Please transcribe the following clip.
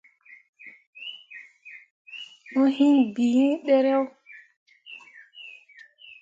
Mo hiŋ bii iŋ dǝyeero.